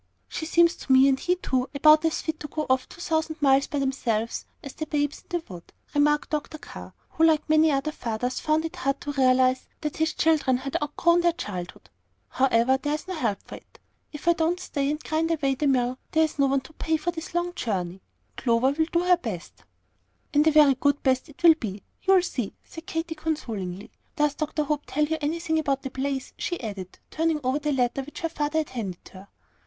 "She seems to me, and he too, about as fit to go off two thousand miles by themselves as the Babes in the Wood," remarked Dr. Carr, who, like many other fathers, found it hard to realize that his children had outgrown their childhood. "However, there's no help for it. If I don't stay and grind away at the mill, there is no one to pay for this long journey. Clover will have to do her best." "And a very good best it will be you'll see," said Katy, consolingly. "Does Dr. Hope tell you anything about the place?" she added, turning over the letter which her father had handed her.